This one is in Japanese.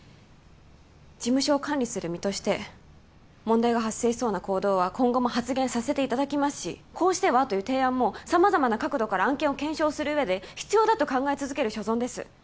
事務所を管理する身として問題が発生しそうな行動は今後も発言させていただきますし「こうしては？」という提案も様々な角度から案件を検証する上で必要だと考え続ける所存です